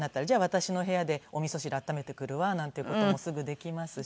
私の部屋でおみそ汁温めてくるわなんていう事もすぐできますし。